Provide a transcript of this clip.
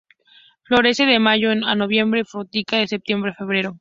Florece de mayo a noviembre y fructifica de septiembre a febrero.